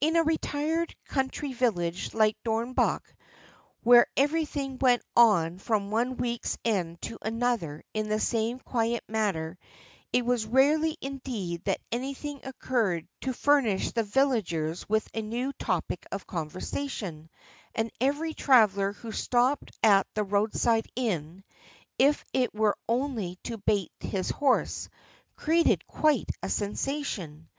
In a retired country village like Dornbach, where everything went on from one week's end to another in the same quiet manner, it was rarely indeed that anything occurred to furnish the villagers with a new topic of conversation, and every traveller who stopped at the road side inn, if it were only to bait his horse, created quite a sensation.